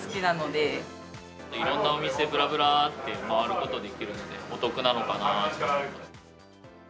いろんなお店、ぶらぶらーって回ることができるので、お得なのかなと。